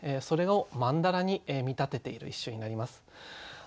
それを曼荼羅に見立てている一首になります。